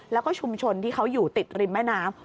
แล้วก็ชุมชนที่เขาอยู่ติดริมแม่น้ำ